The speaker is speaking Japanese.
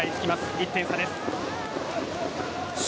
１点差です。